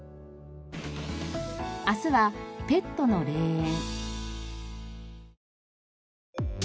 明日はペットの霊園。